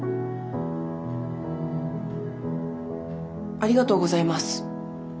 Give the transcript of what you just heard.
ありがとうございます。